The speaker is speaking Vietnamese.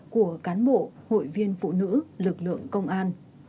của cán bộ hội viên phụ nữ lực lượng công an